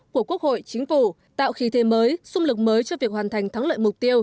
của quốc hội chính phủ tạo khí thế mới sung lực mới cho việc hoàn thành thắng lợi mục tiêu